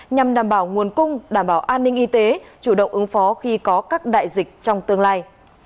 nhằm đảm bảo nguồn cung đảm bảo an ninh y tế chủ động ứng phó khi có các đại dịch trong tương lai